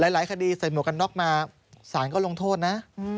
หลายคดีใส่หมวกกันน็อกมาสารก็ลงโทษนะ